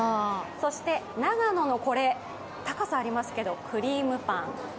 そして長野の、高さがありますけどクリームパン。